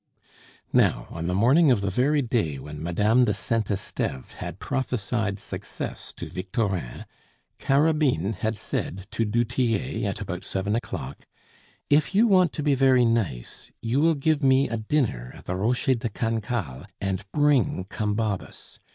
Now, on the morning of the very day when Madame de Saint Esteve had prophesied success to Victorin, Carabine had said to du Tillet at about seven o'clock: "If you want to be very nice, you will give me a dinner at the Rocher de Cancale and bring Combabus.